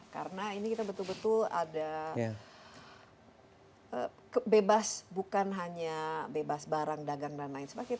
karena ini kita betul betul ada bebas bukan hanya bebas barang dagang dan lain sebagainya